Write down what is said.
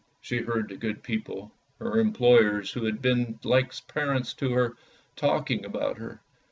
She heard the good people, her employers, who had been like parents to her, talking about her.